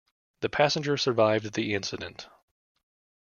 The passenger survived the incident.